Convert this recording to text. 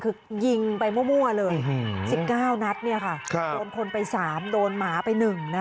คือยิงไปมั่วเลย๑๙นัดโดนคนไป๓โดนหมาไป๑